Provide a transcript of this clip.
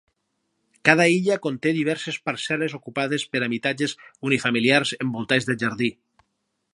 Cada illa conté diverses parcel·les ocupades per habitatges unifamiliars envoltats de jardí.